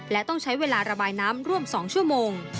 และต้องใช้เวลาระบายน้ำร่วม๒ชั่วโมง